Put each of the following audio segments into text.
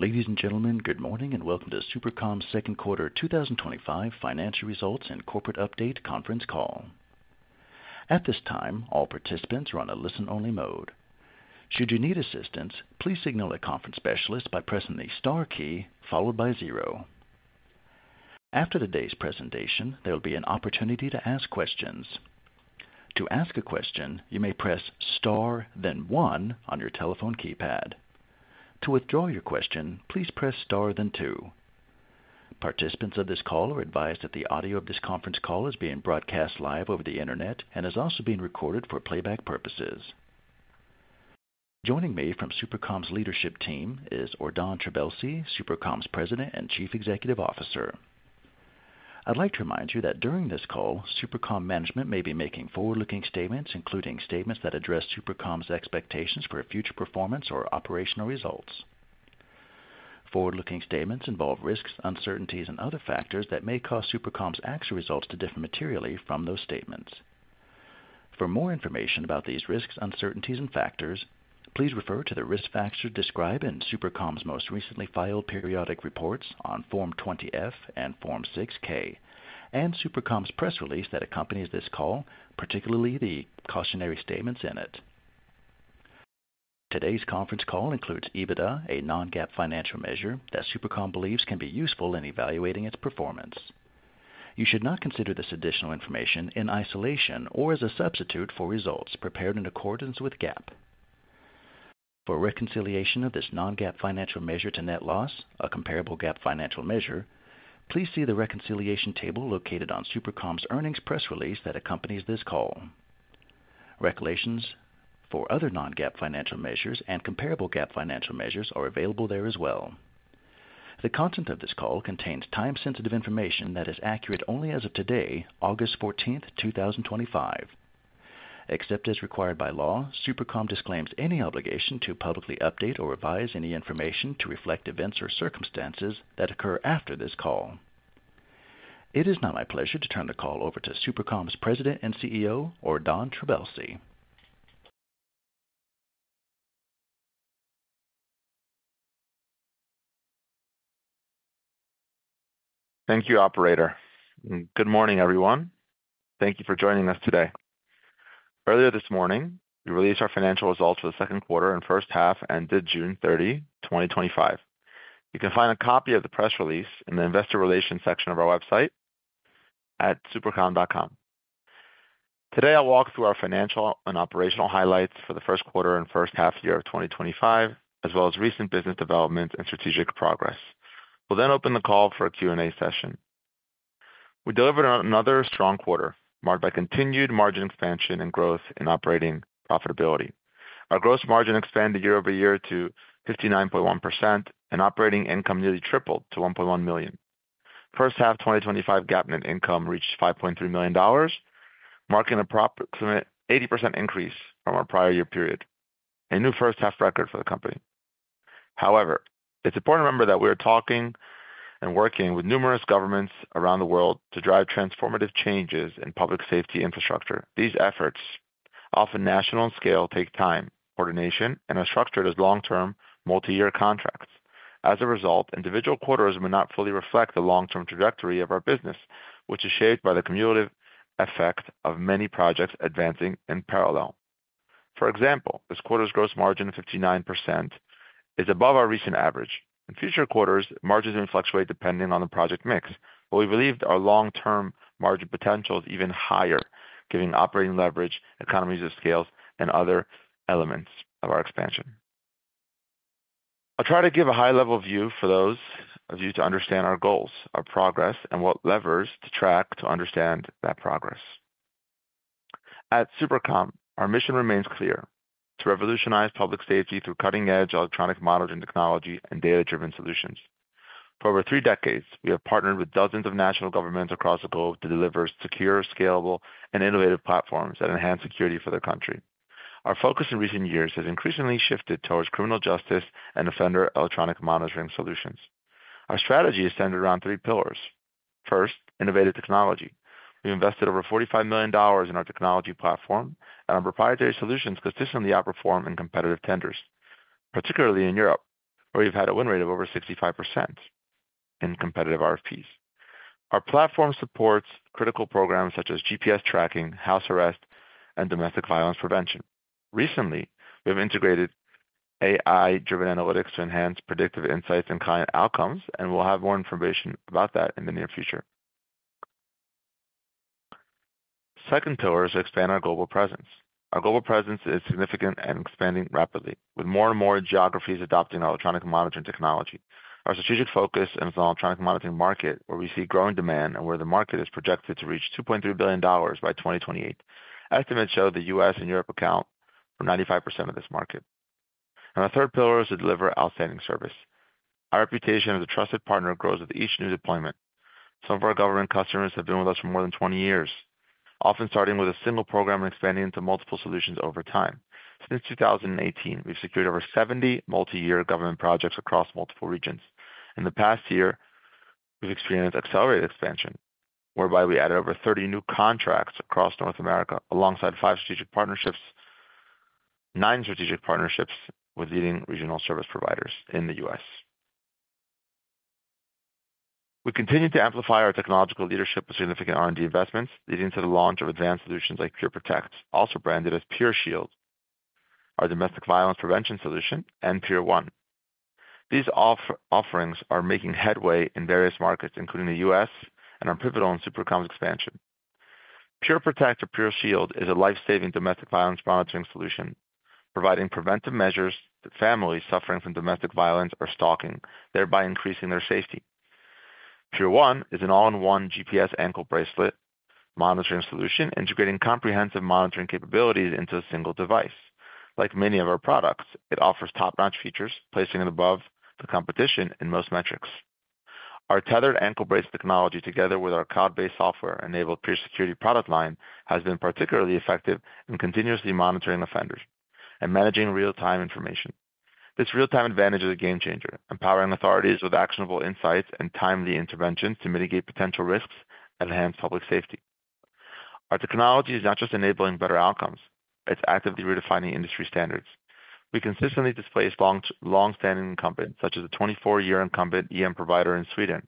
Ladies and gentlemen, good morning and welcome to SuperCom's second quarter 2025 financial results and corporate update conference call. At this time, all participants are on a listen-only mode. Should you need assistance, please signal a conference specialist by pressing the star key followed by zero. After today's presentation, there will be an opportunity to ask questions. To ask a question, you may press star then one on your telephone keypad. To withdraw your question, please press star then two. Participants of this call are advised that the audio of this conference call is being broadcast live over the internet and is also being recorded for playback purposes. Joining me from SuperCom's leadership team is Ordan Trabelsi, SuperCom's President and Chief Executive Officer. I'd like to remind you that during this call, SuperCom management may be making forward-looking statements, including statements that address SuperCom's expectations for future performance or operational results. Forward-looking statements involve risks, uncertainties, and other factors that may cause SuperCom's actual results to differ materially from those statements. For more information about these risks, uncertainties, and factors, please refer to the risk factors described in SuperCom's most recently filed periodic reports on Form 20-F and Form 6-K and SuperCom's press release that accompanies this call, particularly the cautionary statements in it. Today's conference call includes EBITDA, a non-GAAP financial measure that SuperCom believes can be useful in evaluating its performance. You should not consider this additional information in isolation or as a substitute for results prepared in accordance with GAAP. For reconciliation of this non-GAAP financial measure to net loss, a comparable GAAP financial measure, please see the reconciliation table located on SuperCom's earnings press release that accompanies this call. Reconciliations for other non-GAAP financial measures and comparable GAAP financial measures are available there as well. The content of this call contains time-sensitive information that is accurate only as of today, August 14th, 2025. Except as required by law, SuperCom disclaims any obligation to publicly update or revise any information to reflect events or circumstances that occur after this call. It is now my pleasure to turn the call over to SuperCom's President and CEO, Ordan Trabelsi. Thank you, operator. Good morning, everyone. Thank you for joining us today. Earlier this morning, we released our financial results for the second quarter and first half ended June 30, 2025. You can find a copy of the press release in the investor relations section of our website at supercom.com. Today, I'll walk through our financial and operational highlights for the first quarter and first half year of 2025, as well as recent business developments and strategic progress. We'll then open the call for a Q&A session. We delivered another strong quarter, marked by continued margin expansion and growth in operating profitability. Our gross margin expanded year over year to 59.1%, and operating income nearly tripled to $1.1 million. First half 2025 GAAP net income reached $5.3 million, marking an approximate 80% increase from our prior year period, a new first half record for the company. However, it's important to remember that we are talking and working with numerous governments around the world to drive transformative changes in public safety infrastructure. These efforts, often national in scale, take time, coordination, and are structured as long-term, multi-year contracts. As a result, individual quarters may not fully reflect the long-term trajectory of our business, which is shaped by the cumulative effect of many projects advancing in parallel. For example, this quarter's gross margin of 59% is above our recent average. In future quarters, margins may fluctuate depending on the project mix, but we believe our long-term margin potential is even higher, given operating leverage, economies of scale, and other elements of our expansion. I'll try to give a high-level view for those of you to understand our goals, our progress, and what levers to track to understand that progress. At SuperCom, our mission remains clear: to revolutionize public safety through cutting-edge electronic monitoring technology and data-driven solutions. For over three decades, we have partnered with dozens of national governments across the globe to deliver secure, scalable, and innovative platforms that enhance security for their country. Our focus in recent years has increasingly shifted towards criminal justice and offender electronic monitoring solutions. Our strategy is centered around three pillars. First, innovative technology. We invested over $45 million in our technology platform, and our proprietary solutions consistently outperform in competitive tenders, particularly in Europe, where we've had a win rate of over 65% in competitive RFPs. Our platform supports critical programs such as GPS tracking, house arrest, and domestic violence prevention. Recently, we've integrated AI-driven analytics to enhance predictive insights and client outcomes, and we'll have more information about that in the near future. The second pillar is to expand our global presence. Our global presence is significant and expanding rapidly, with more and more geographies adopting our electronic monitoring technology. Our strategic focus is on the electronic monitoring market, where we see growing demand and where the market is projected to reach $2.3 billion by 2028. Estimates show the U.S. and Europe account for 95% of this market. Our third pillar is to deliver outstanding service. Our reputation as a trusted partner grows with each new deployment. Some of our government customers have been with us for more than 20 years, often starting with a single program and expanding into multiple solutions over time. Since 2018, we've secured over 70 multi-year government projects across multiple regions. In the past year, we've experienced accelerated expansion, whereby we added over 30 new contracts across North America, alongside five strategic partnerships, nine strategic partnerships with leading regional service providers in the U.S. We continue to amplify our technological leadership with significant R&D investments, leading to the launch of advanced solutions like PureProtect, also branded as PureShield, our domestic violence prevention solution, and Pure One. These offerings are making headway in various markets, including the U.S., and are pivotal in SuperCom's expansion. PureProtect or PureShield is a lifesaving domestic violence monitoring solution, providing preventive measures to families suffering from domestic violence or stalking, thereby increasing their safety. Pure One is an all-in-one GPS ankle bracelet monitoring solution, integrating comprehensive monitoring capabilities into a single device. Like many of our products, it offers top-notch features, placing it above the competition in most metrics. Our tethered ankle brace technology, together with our cloud-based software-enabled Pure Security product line, has been particularly effective in continuously monitoring offenders and managing real-time information. This real-time advantage is a game-changer, empowering authorities with actionable insights and timely intervention to mitigate potential risks and enhance public safety. Our technology is not just enabling better outcomes; it's actively redefining industry standards. We consistently displace long-standing incumbents, such as a 24-year incumbent EM provider in Sweden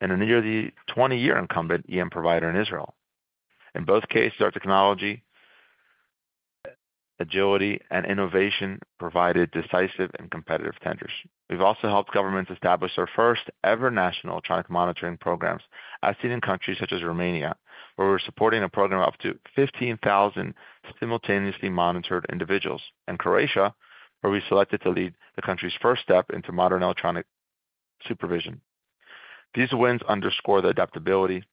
and a nearly 20-year incumbent EM provider in Israel. In both cases, our technology, agility, and innovation provided decisive and competitive tenders. We've also helped governments establish our first-ever national electronic monitoring programs, as seen in countries such as Romania, where we're supporting a program of up to 15,000 simultaneously monitored individuals, and Croatia, where we were selected to lead the country's first step into modern electronic supervision. These wins underscore the adaptability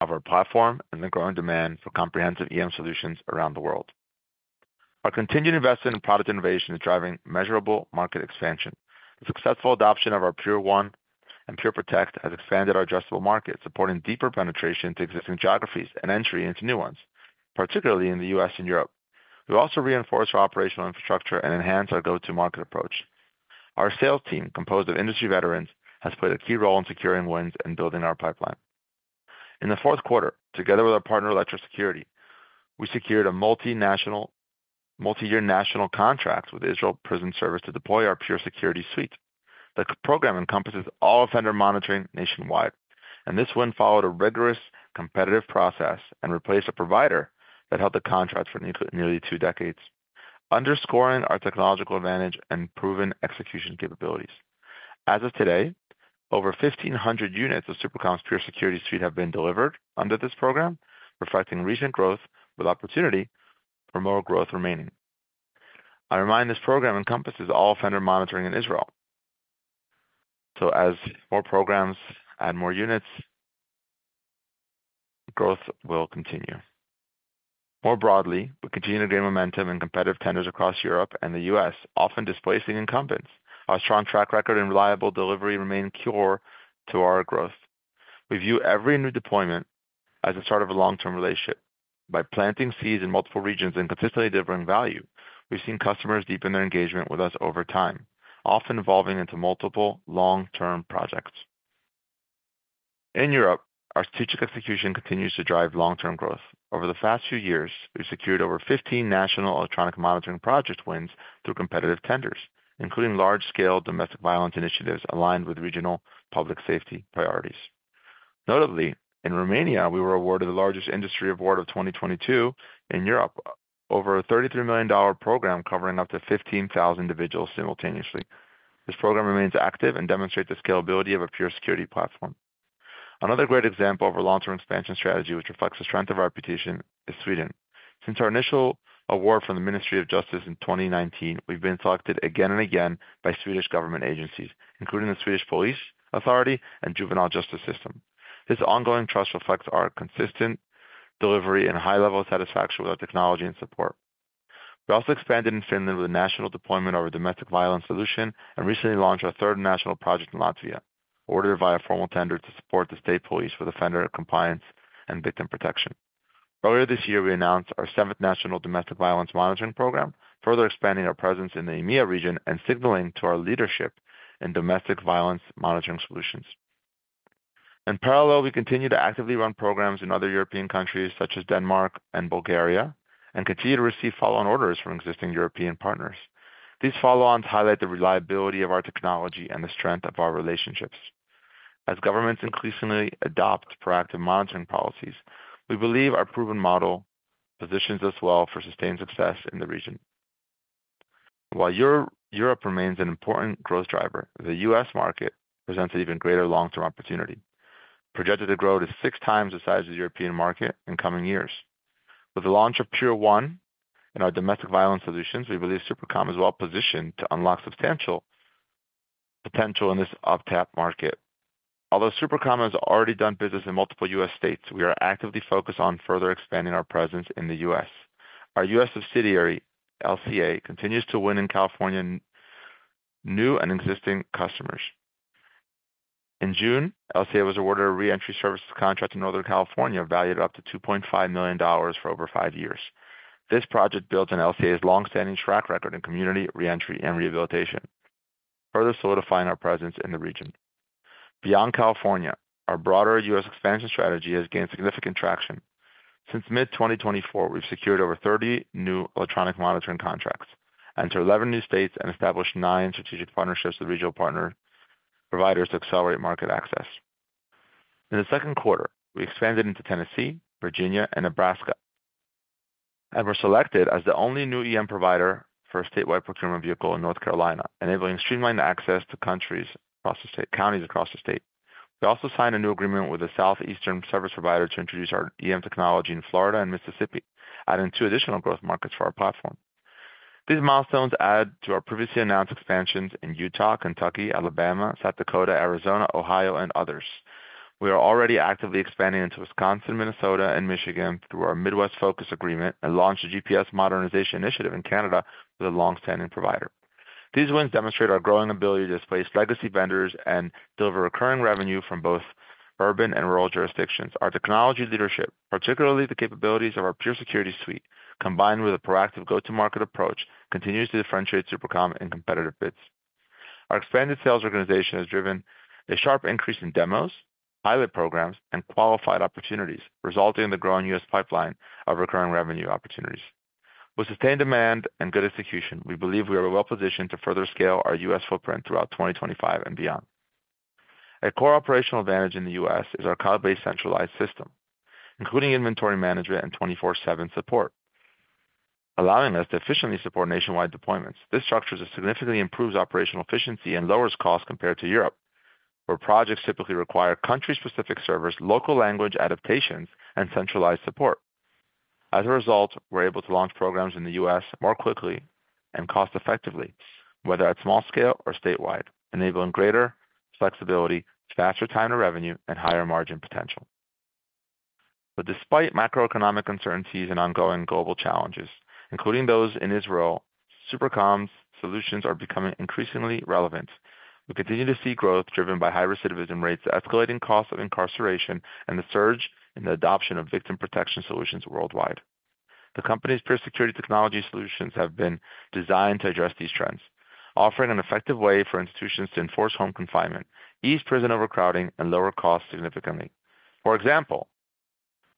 of our platform and the growing demand for comprehensive EM solutions around the world. Our continued investment in product innovation is driving measurable market expansion. The successful adoption of our Pure One and PureProtect has expanded our addressable market, supporting deeper penetration into existing geographies and entry into new ones, particularly in the U.S. and Europe. We also reinforce our operational infrastructure and enhance our go-to-market approach. Our sales team, composed of industry veterans, has played a key role in securing wins and building our pipeline. In the fourth quarter, together with our partner Electra Security, we secured a multi-year national contract with the Israel Prison Service to deploy our Pure Security Suite. The program encompasses all offender monitoring nationwide, and this win followed a rigorous competitive process and replaced a provider that held the contract for nearly two decades, underscoring our technological advantage and proven execution capabilities. As of today, over 1,500 units of SuperCom's Pure Security Suite have been delivered under this program, reflecting recent growth with opportunity for more growth remaining. I remind this program encompasses all offender monitoring in Israel. As more programs add more units, growth will continue. More broadly, we continue to gain momentum in competitive tenders across Europe and the U.S., often displacing incumbents. Our strong track record and reliable delivery remain core to our growth. We view every new deployment as the start of a long-term relationship. By planting seeds in multiple regions and consistently delivering value, we've seen customers deepen their engagement with us over time, often evolving into multiple long-term projects. In Europe, our strategic execution continues to drive long-term growth. Over the past few years, we've secured over 15 national electronic monitoring project wins through competitive tenders, including large-scale domestic violence initiatives aligned with regional public safety priorities. Notably, in Romania, we were awarded the largest industry award of 2022. In Europe, over a $33 million program covering up to 15,000 individuals simultaneously. This program remains active and demonstrates the scalability of a Pure Security platform. Another great example of a long-term expansion strategy, which reflects the strength of our reputation, is Sweden. Since our initial award from the Ministry of Justice in 2019, we've been selected again and again by Swedish government agencies, including the Swedish Police Authority and Juvenile Justice System. This ongoing trust reflects our consistent delivery and high-level satisfaction with our technology and support. We also expanded in Finland with a national deployment of our domestic violence solution and recently launched our third national project in Latvia, ordered via formal tender to support the state police for defender compliance and victim protection. Earlier this year, we announced our seventh national domestic violence monitoring program, further expanding our presence in the EMEA region and signaling to our leadership in domestic violence monitoring solutions. In parallel, we continue to actively run programs in other European countries, such as Denmark and Bulgaria, and continue to receive follow-on orders from existing European partners. These follow-ons highlight the reliability of our technology and the strength of our relationships. As governments increasingly adopt proactive monitoring policies, we believe our proven model positions us well for sustained success in the region. While Europe remains an important growth driver, the U.S. market presents an even greater long-term opportunity. Projected to grow to six times the size of the European market in coming years. With the launch of Pure One and our domestic violence solutions, we believe SuperCom is well positioned to unlock substantial potential in this uptick market. Although SuperCom has already done business in multiple U.S. states, we are actively focused on further expanding our presence in the U.S. Our U.S. subsidiary, LCA, continues to win in California new and existing customers. In June, LCA was awarded a reentry services contract in Northern California, valued at up to $2.5 million for over five years. This project builds on LCA's longstanding track record in community reentry and rehabilitation, further solidifying our presence in the region. Beyond California, our broader U.S. expansion strategy has gained significant traction. Since mid-2024, we've secured over 30 new electronic monitoring contracts, entered 11 new states, and established nine strategic partnerships with regional partner providers to accelerate market access. In the second quarter, we expanded into Tennessee, Virginia, and Nebraska, and were selected as the only new EM provider for a statewide procurement vehicle in North Carolina, enabling streamlined access to counties across the state. We also signed a new agreement with a southeastern service provider to introduce our EM technology in Florida and Mississippi, adding two additional growth markets for our platform. These milestones add to our previously announced expansions in Utah, Kentucky, Alabama, South Dakota, Arizona, Ohio, and others. We are already actively expanding into Wisconsin, Minnesota, and Michigan through our Midwest focus agreement and launched a GPS modernization initiative in Canada with a longstanding provider. These wins demonstrate our growing ability to displace legacy vendors and deliver recurring revenue from both urban and rural jurisdictions. Our technology leadership, particularly the capabilities of our Pure Security Suite, combined with a proactive go-to-market approach, continues to differentiate SuperCom in competitive bids. Our expanded sales organization has driven a sharp increase in demos, pilot programs, and qualified opportunities, resulting in the growing U.S. pipeline of recurring revenue opportunities. With sustained demand and good execution, we believe we are well positioned to further scale our U.S. footprint throughout 2025 and beyond. A core operational advantage in the U.S. is our cloud-based centralized system, including inventory management and 24/7 support, allowing us to efficiently support nationwide deployments. This structure significantly improves operational efficiency and lowers costs compared to Europe, where projects typically require country-specific servers, local language adaptations, and centralized support. As a result, we're able to launch programs in the U.S. more quickly and cost-effectively, whether at small scale or statewide, enabling greater flexibility, faster time to revenue, and higher margin potential. Despite macroeconomic uncertainties and ongoing global challenges, including those in Israel, SuperCom's solutions are becoming increasingly relevant. We continue to see growth driven by high recidivism rates, the escalating cost of incarceration, and the surge in the adoption of victim protection solutions worldwide. The company's Pure Security technology solutions have been designed to address these trends, offering an effective way for institutions to enforce home confinement, ease prison overcrowding, and lower costs significantly. For example,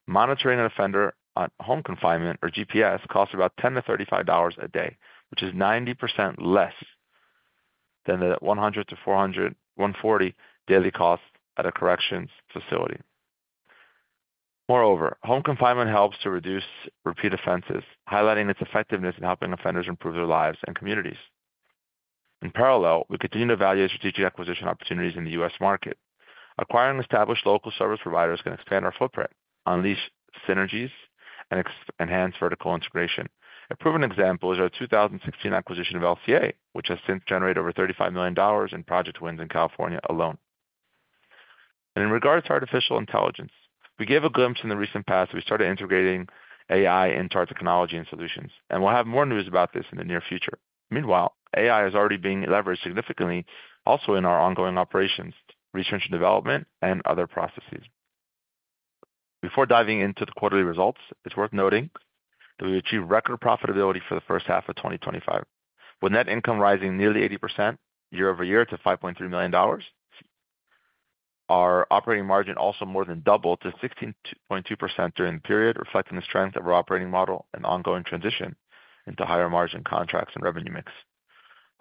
monitoring an offender on home confinement or GPS costs about $10-$35 a day, which is 90% less than the $100-$140 daily cost at a corrections facility. Moreover, home confinement helps to reduce repeat offenses, highlighting its effectiveness in helping offenders improve their lives and communities. In parallel, we continue to evaluate strategic acquisition opportunities in the U.S. market. Acquiring established local service providers can expand our footprint, unleash synergies, and enhance vertical integration. A proven example is our 2016 acquisition of LCA, which has since generated over $35 million in project wins in California alone. In regards to artificial intelligence, we gave a glimpse in the recent past that we started integrating AI into our technology and solutions, and we'll have more news about this in the near future. Meanwhile, AI is already being leveraged significantly also in our ongoing operations, research and development, and other processes. Before diving into the quarterly results, it's worth noting that we achieved record profitability for the first half of 2025, with net income rising nearly 80% year over year to $5.3 million. Our operating margin also more than doubled to 16.2% during the period, reflecting the strength of our operating model and the ongoing transition into higher margin contracts and revenue mix.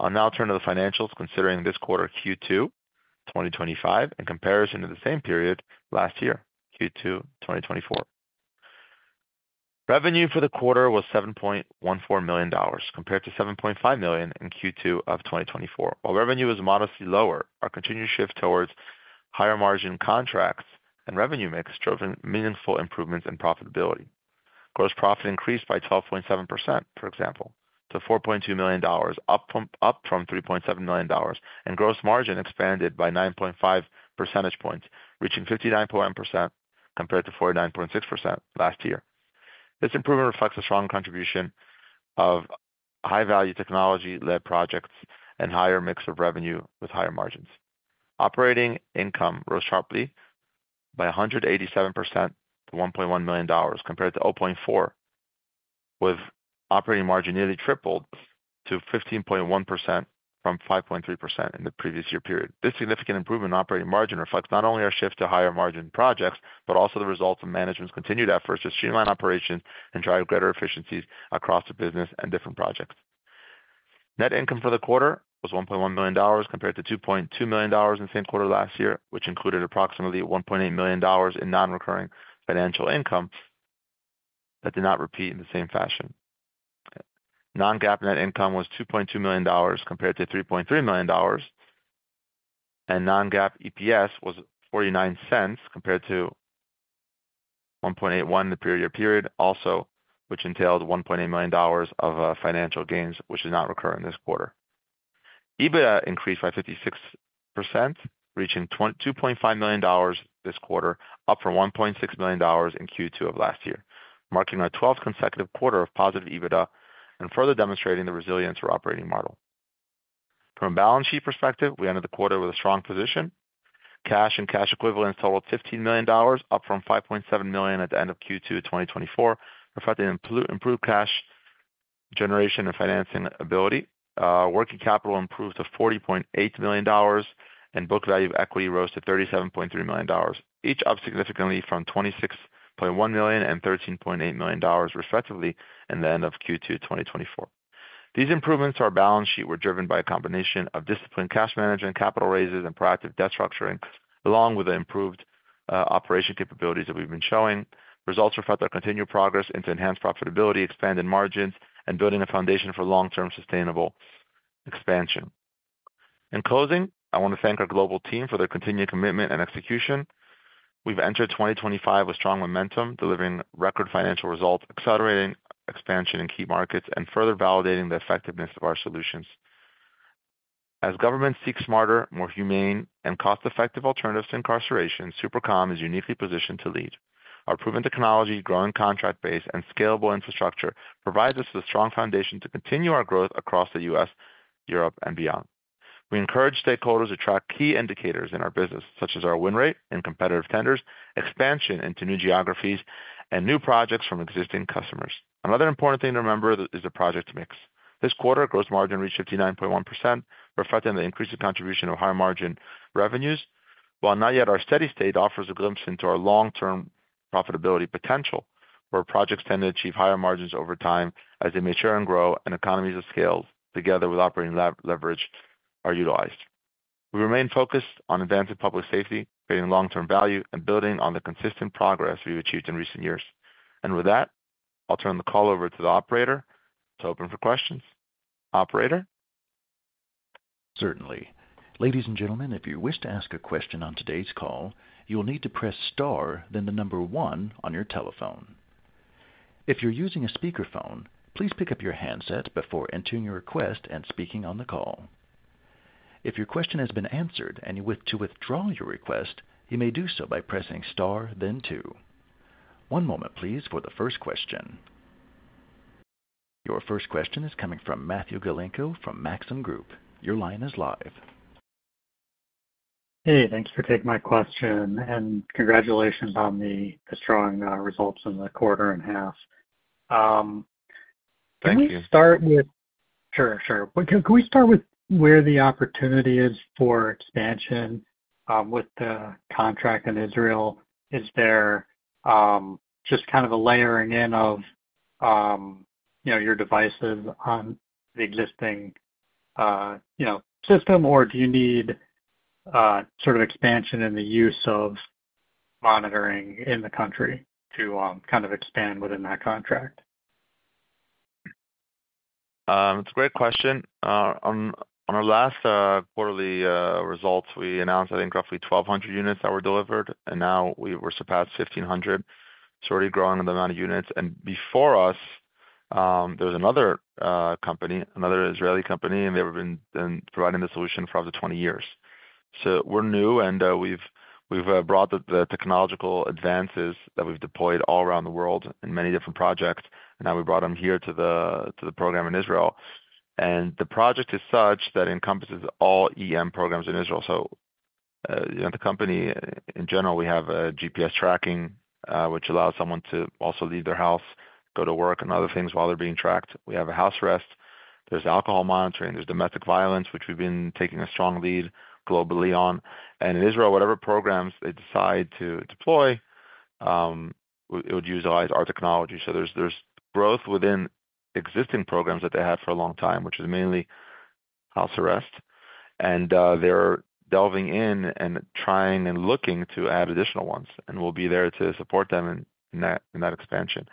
I'll now turn to the financials, considering this quarter Q2 2025 in comparison to the same period last year, Q2 2024. Revenue for the quarter was $7.14 million compared to $7.5 million in Q2 of 2024. While revenue was modestly lower, our continued shift towards higher margin contracts and revenue mix drove meaningful improvements in profitability. Gross profit increased by 12.7%, for example, to $4.2 million, up from $3.7 million, and gross margin expanded by 9.5 percentage points, reaching 59.1% compared to 49.6% last year. This improvement reflects a strong contribution of high-value technology-led projects and a higher mix of revenue with higher margins. Operating income rose sharply by 187% to $1.1 million compared to $0.4 million, with operating margin nearly tripled to 15.1% from 5.3% in the previous year period. This significant improvement in operating margin reflects not only our shift to higher margin projects, but also the result of management's continued efforts to streamline operations and drive greater efficiencies across the business and different projects. Net income for the quarter was $1.1 million compared to $2.2 million in the same quarter last year, which included approximately $1.8 million in non-recurring financial income that did not repeat in the same fashion. Non-GAAP net income was $2.2 million compared to $3.3 million, and non-GAAP EPS was $0.49 compared to $1.81 in the previous year period, also which entailed $1.8 million of financial gains, which did not recur in this quarter. EBITDA increased by 56%, reaching $2.5 million this quarter, up from $1.6 million in Q2 of last year, marking our 12th consecutive quarter of positive EBITDA and further demonstrating the resilience of our operating model. From a balance sheet perspective, we ended the quarter with a strong position. Cash and cash equivalents totaled $15 million, up from $5.7 million at the end of Q2 2024, reflecting improved cash generation and financing ability. Working capital improved to $40.8 million, and book value of equity rose to $37.3 million, each up significantly from $26.1 million and $13.8 million, respectively, in the end of Q2 2024. These improvements to our balance sheet were driven by a combination of disciplined cash management, capital raises, and proactive debt structuring, along with the improved operation capabilities that we've been showing. Results reflect our continued progress into enhanced profitability, expanded margins, and building a foundation for long-term sustainable expansion. In closing, I want to thank our global team for their continued commitment and execution. We've entered 2025 with strong momentum, delivering record financial results, accelerating expansion in key markets, and further validating the effectiveness of our solutions. As governments seek smarter, more humane, and cost-effective alternatives to incarceration, SuperCom is uniquely positioned to lead. Our proven technology, growing contract base, and scalable infrastructure provide us with a strong foundation to continue our growth across the U.S., Europe, and beyond. We encourage stakeholders to track key indicators in our business, such as our win rate in competitive tenders, expansion into new geographies, and new projects from existing customers. Another important thing to remember is the project mix. This quarter, gross margin reached 59.1%, reflecting the increasing contribution of high margin revenues. While not yet our steady state, it offers a glimpse into our long-term profitability potential, where projects tend to achieve higher margins over time as they mature and grow, and economies of scale, together with operating leverage, are utilized. We remain focused on advancing public safety, creating long-term value, and building on the consistent progress we've achieved in recent years. With that, I'll turn the call over to the operator to open for questions. Operator? Certainly. Ladies and gentlemen, if you wish to ask a question on today's call, you'll need to press star, then the number one on your telephone. If you're using a speakerphone, please pick up your handset before entering your request and speaking on the call. If your question has been answered and you wish to withdraw your request, you may do so by pressing star, then two. One moment, please, for the first question. Your first question is coming from Matthew Galinko from Maxim Group. Your line is live. Hey, thank you for taking my question, and congratulations on the strong results in the quarter and a half. Thank you. Can we start with where the opportunity is for expansion with the contract in Israel? Is there just kind of a layering in of, you know, your devices on the existing system, or do you need sort of expansion in the use of monitoring in the country to kind of expand within that contract? It's a great question. On our last quarterly results, we announced, I think, roughly 1,200 units that were delivered, and now we've surpassed 1,500. We're already growing on the amount of units. Before us, there was another company, another Israeli company, and they've been providing the solution for up to 20 years. We're new, and we've brought the technological advances that we've deployed all around the world in many different projects, and now we brought them here to the program in Israel. The project is such that it encompasses all EM programs in Israel. At the company, in general, we have GPS tracking, which allows someone to also leave their house, go to work, and other things while they're being tracked. We have a house arrest. There's alcohol monitoring. There's domestic violence, which we've been taking a strong lead globally on. In Israel, whatever programs they decide to deploy, it would utilize our technology. There's growth within existing programs that they had for a long time, which was mainly house arrest. They're delving in and trying and looking to add additional ones, and we'll be there to support them in that expansion,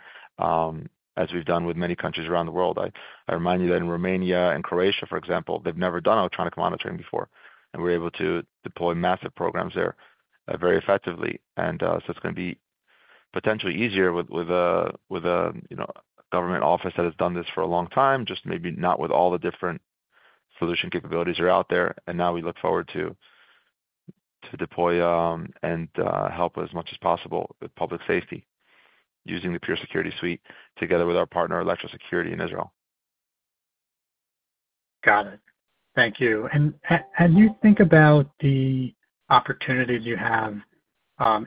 as we've done with many countries around the world. I remind you that in Romania and Croatia, for example, they've never done electronic monitoring before, and we're able to deploy massive programs there very effectively. It's going to be potentially easier with a government office that has done this for a long time, just maybe not with all the different solution capabilities that are out there. We look forward to deploy and help as much as possible with public safety using the Pure Security Suite together with our partner, Electra Security in Israel. Got it. Thank you. You think about the opportunities you have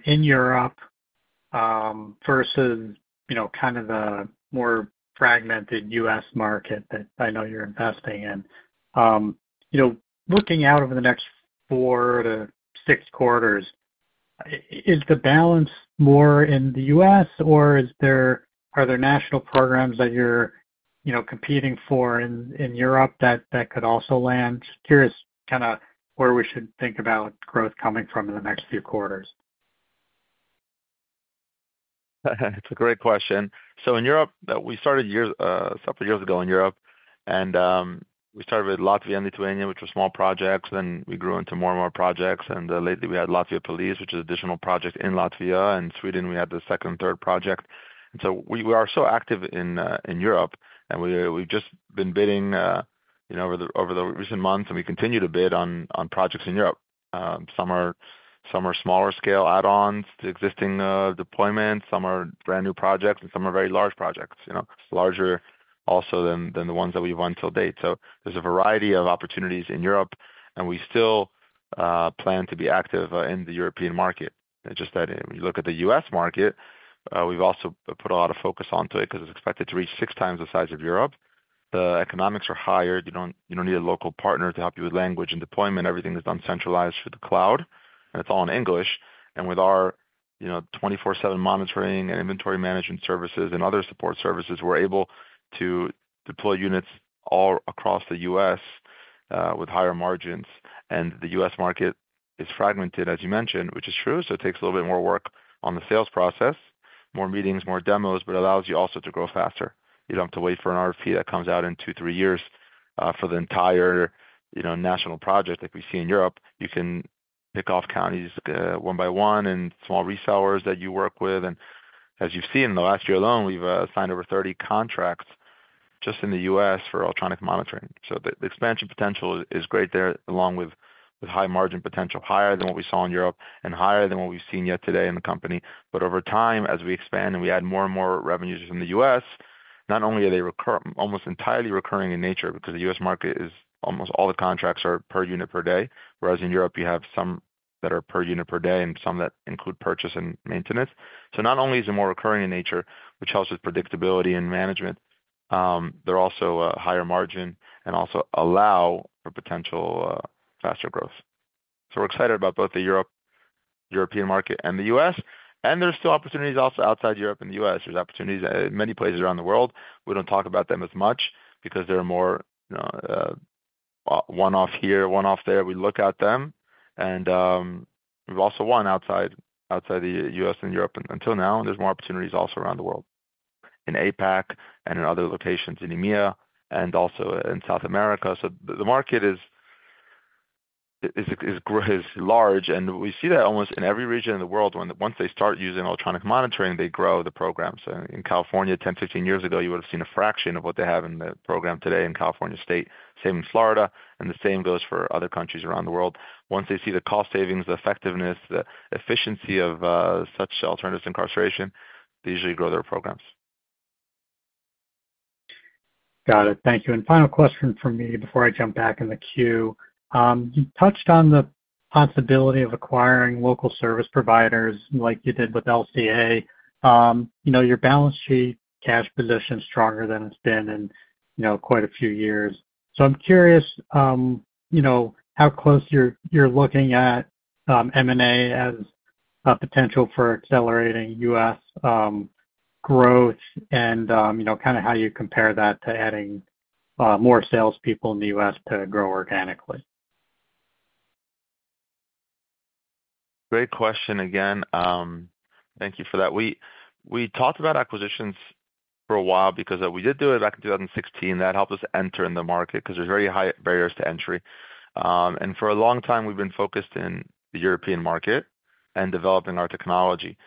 in Europe versus kind of the more fragmented U.S. market that I know you're investing in. Looking out over the next four to six quarters, is the balance more in the U.S., or are there national programs that you're competing for in Europe that could also land? Curious kind of where we should think about growth coming from in the next few quarters. It's a great question. In Europe, we started several years ago in Europe, and we started with Latvia and Lithuania, which were small projects. Then we grew into more and more projects. Lately, we had Latvia Police, which is an additional project in Latvia. In Sweden, we had the second and third project. We are so active in Europe, and we've just been bidding over the recent months, and we continue to bid on projects in Europe. Some are smaller scale add-ons to existing deployments. Some are brand new projects, and some are very large projects, larger also than the ones that we've won till date. There's a variety of opportunities in Europe, and we still plan to be active in the European market. When you look at the U.S. market, we've also put a lot of focus onto it because it's expected to reach six times the size of Europe. The economics are higher. You don't need a local partner to help you with language and deployment. Everything is done centralized through the cloud, and it's all in English. With our 24/7 monitoring and inventory management services and other support services, we're able to deploy units all across the U.S. with higher margins. The U.S. market is fragmented, as you mentioned, which is true. It takes a little bit more work on the sales process, more meetings, more demos, but it allows you also to grow faster. You don't have to wait for an RFP that comes out in two, three years for the entire national project like we see in Europe. You can pick off counties one by one and small resellers that you work with. As you've seen in the last year alone, we've signed over 30 contracts just in the U.S. for electronic monitoring. The expansion potential is great there, along with high margin potential, higher than what we saw in Europe and higher than what we've seen yet today in the company. Over time, as we expand and we add more and more revenues from the U.S., not only are they almost entirely recurring in nature because the U.S. market is almost all the contracts are per unit per day, whereas in Europe you have some that are per unit per day and some that include purchase and maintenance. Not only is it more recurring in nature, which helps with predictability and management, they're also a higher margin and also allow for potential faster growth. We're excited about both the European market and the U.S. There's still opportunities also outside Europe and the U.S. There's opportunities in many places around the world. We don't talk about them as much because they're more one-off here, one-off there. We look at them. We've also won outside the U.S. and Europe until now. There's more opportunities also around the world in APAC and in other locations in EMEA and also in South America. The market is large. We see that almost in every region in the world, once they start using electronic monitoring, they grow the programs. In California, 10, 15 years ago, you would have seen a fraction of what they have in the program today in California State. Same in Florida. The same goes for other countries around the world. Once they see the cost savings, the effectiveness, the efficiency of such alternatives to incarceration, they usually grow their programs. Got it. Thank you. Final question from me before I jump back in the queue. You touched on the possibility of acquiring local service providers like you did with LCA. Your balance sheet has positioned stronger than it's been in quite a few years. I'm curious how close you're looking at M&A as a potential for accelerating U.S. growth and how you compare that to adding more salespeople in the U.S. to grow organically? Great question. Again, thank you for that. We talked about acquisitions for a while because we did do it back in 2016. That helped us enter in the market because there's very high barriers to entry. For a long time, we've been focused in the European market and developing our technology.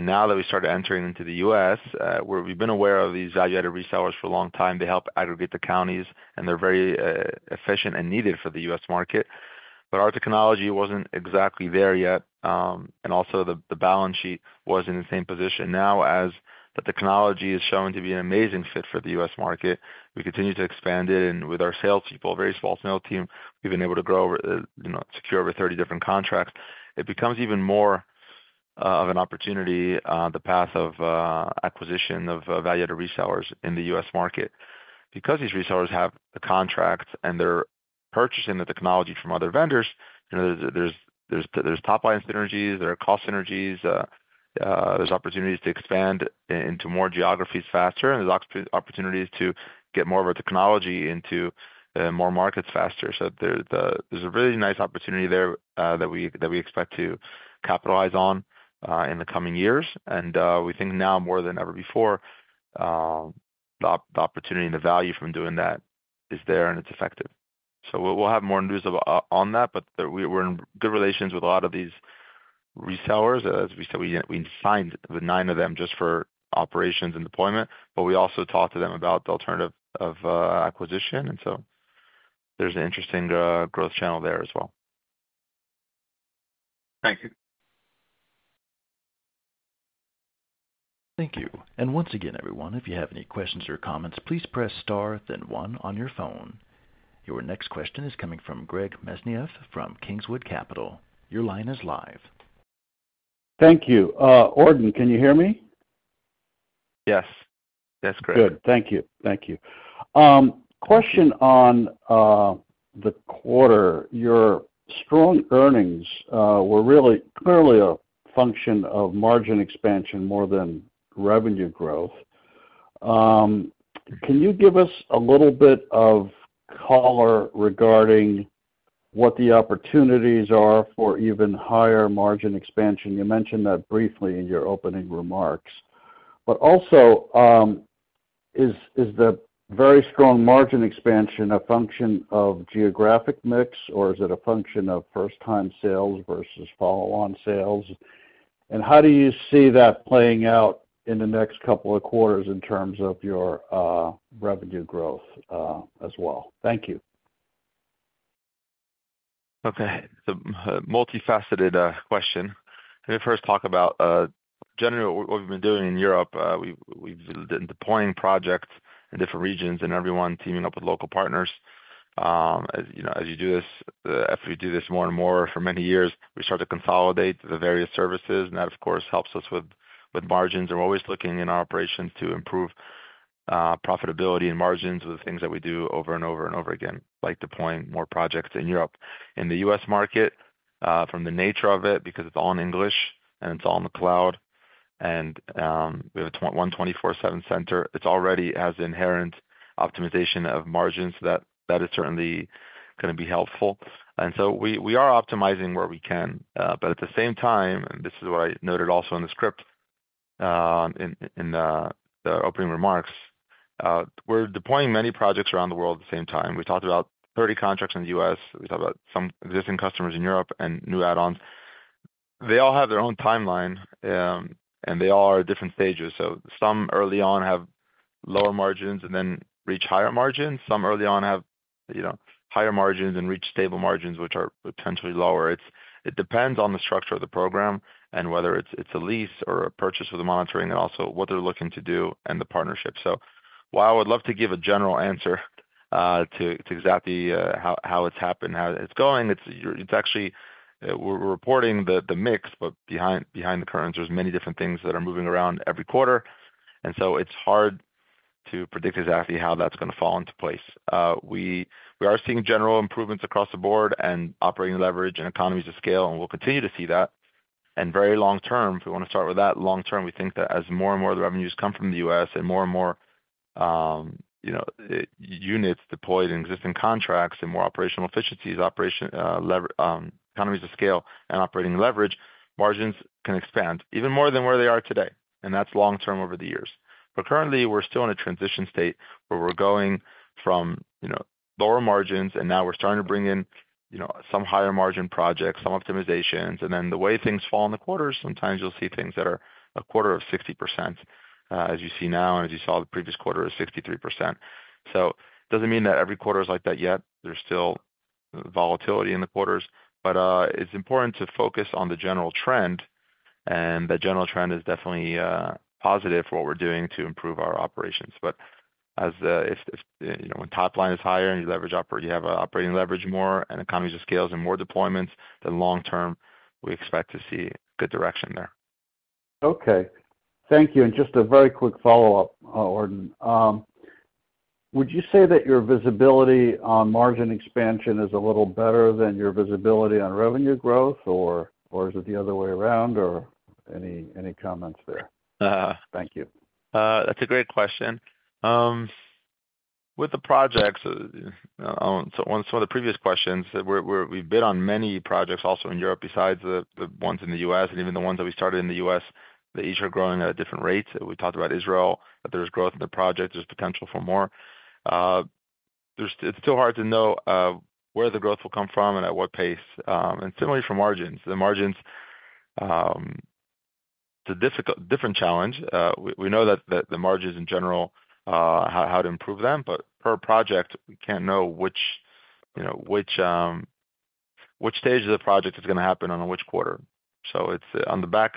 Now that we started entering into the U.S., we've been aware of these value-added resellers for a long time. They help aggregate the counties, and they're very efficient and needed for the U.S. market. Our technology wasn't exactly there yet. Also, the balance sheet wasn't in the same position. Now, as the technology has shown to be an amazing fit for the U.S. market, we continue to expand it. With our salespeople, a very small sales team, we've been able to grow, secure over 30 different contracts. It becomes even more of an opportunity, the path of acquisition of value-added resellers in the U.S. market. These resellers have a contract and they're purchasing the technology from other vendors, you know, there's top-line synergies, there are cost synergies, there's opportunities to expand into more geographies faster, and there's opportunities to get more of our technology into more markets faster. There's a really nice opportunity there that we expect to capitalize on in the coming years. We think now more than ever before, the opportunity and the value from doing that is there and it's effective. We'll have more news on that, but we're in good relations with a lot of these resellers. As we said, we signed with nine of them just for operations and deployment, but we also talked to them about the alternative of acquisition. There's an interesting growth channel there as well. Thank you. Thank you. Once again, everyone, if you have any questions or comments, please press star, then one on your phone. Your next question is coming from Gregory Mesniaeff from Kingswood Capital. Your line is live. Thank you. Ordan, can you hear me? Yes, yes, Greg. Good. Thank you. Thank you. Question on the quarter. Your strong earnings were really clearly a function of margin expansion more than revenue growth. Can you give us a little bit of color regarding what the opportunities are for even higher margin expansion? You mentioned that briefly in your opening remarks. Is the very strong margin expansion a function of geographic mix, or is it a function of first-time sales versus follow-on sales? How do you see that playing out in the next couple of quarters in terms of your revenue growth as well? Thank you. Okay. It's a multifaceted question. Let me first talk about generally what we've been doing in Europe. We've been deploying projects in different regions and everyone teaming up with local partners. As you do this, after we do this more and more for many years, we start to consolidate the various services, and that, of course, helps us with margins. We're always looking in our operations to improve profitability and margins with things that we do over and over and over again, like deploying more projects in Europe. In the U.S. market, from the nature of it, because it's all in English and it's all in the cloud, and we have a 24/7 center, it already has inherent optimization of margins, so that is certainly going to be helpful. We are optimizing where we can. At the same time, and this is what I noted also in the script in the opening remarks, we're deploying many projects around the world at the same time. We talked about 30 contracts in the U.S. We talked about some existing customers in Europe and new add-ons. They all have their own timeline, and they all are at different stages. Some early on have lower margins and then reach higher margins. Some early on have, you know, higher margins and reach stable margins, which are potentially lower. It depends on the structure of the program and whether it's a lease or a purchase with the monitoring and also what they're looking to do and the partnership. While I would love to give a general answer to exactly how it's happening, how it's going, it's actually, we're reporting the mix, but behind the curtains, there's many different things that are moving around every quarter. It's hard to predict exactly how that's going to fall into place. We are seeing general improvements across the board and operating leverage and economies of scale, and we'll continue to see that. Very long term, if we want to start with that, long term, we think that as more and more of the revenues come from the U.S. and more and more, you know, units deployed in existing contracts and more operational efficiencies, economies of scale, and operating leverage, margins can expand even more than where they are today. That's long term over the years. Currently, we're still in a transition state where we're going from, you know, lower margins, and now we're starting to bring in, you know, some higher margin projects, some optimizations. The way things fall in the quarters, sometimes you'll see things that are a quarter of 60%, as you see now, and as you saw the previous quarter of 63%. It doesn't mean that every quarter is like that yet. There's still volatility in the quarters, but it's important to focus on the general trend, and that general trend is definitely positive for what we're doing to improve our operations. When top line is higher and you leverage up or you have operating leverage more and economies of scale and more deployments, then long term, we expect to see good direction there. Okay. Thank you. Just a very quick follow-up, Ordan. Would you say that your visibility on margin expansion is a little better than your visibility on revenue growth, or is it the other way around, or any comments there? Thank you. That's a great question. With the projects, on some of the previous questions, we've bid on many projects also in Europe besides the ones in the U.S., and even the ones that we started in the U.S., they each are growing at different rates. We talked about Israel, that there's growth in the project, there's potential for more. It's still hard to know where the growth will come from and at what pace. Similarly for margins, the margins, it's a different challenge. We know that the margins in general, how to improve them, but per project, we can't know which stage of the project is going to happen on which quarter. It's on the back,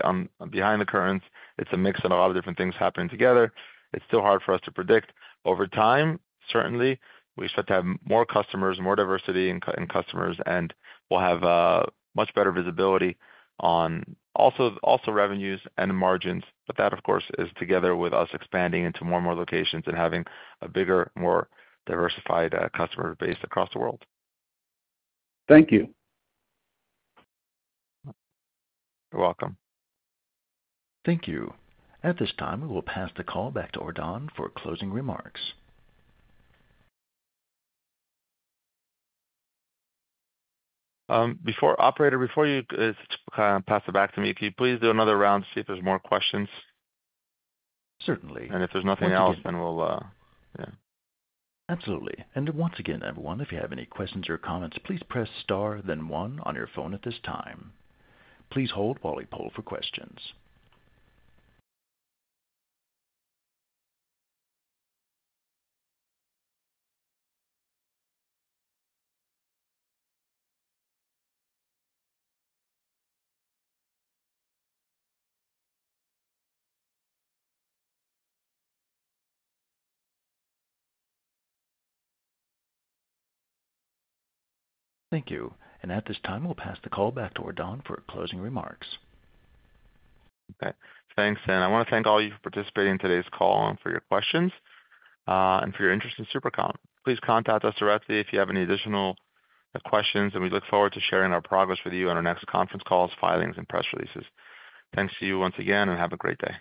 behind the curtains, it's a mix of a lot of different things happening together. It's still hard for us to predict. Over time, certainly, we expect to have more customers, more diversity in customers, and we'll have much better visibility on also revenues and margins. That, of course, is together with us expanding into more and more locations and having a bigger, more diversified customer base across the world. Thank you. You're welcome. Thank you. At this time, we will pass the call back to Ordan for closing remarks. Before you pass it back to me, can you please do another round to see if there's more questions? Certainly. If there's nothing else, then we'll, yeah. Absolutely. Once again, everyone, if you have any questions or comments, please press star, then one on your phone at this time. Please hold while we poll for questions. Thank you. At this time, we'll pass the call back to Ordan for closing remarks. Okay. Thanks. I want to thank all of you for participating in today's call and for your questions and for your interest in SuperCom. Please contact us directly if you have any additional questions, and we look forward to sharing our progress with you in our next conference calls, filings, and press releases. Thanks to you once again, and have a great day.